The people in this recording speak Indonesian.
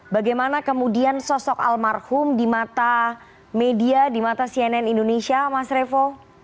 bagaimana kemudian sosok almarhum di mata media di mata cnn indonesia mas revo